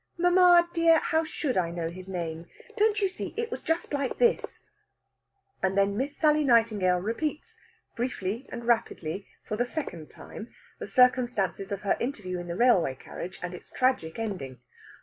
"Mamma, dear, how should I know his name? Don't you see, it was just like this." And then Miss Sally Nightingale repeats, briefly and rapidly, for the second time, the circumstances of her interview in the railway carriage and its tragic ending.